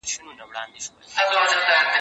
زه هره ورځ بوټونه پاکوم